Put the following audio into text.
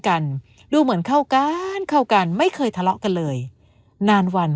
กันดูเหมือนเข้ากันเข้ากันไม่เคยทะเลาะกันเลยนานวัน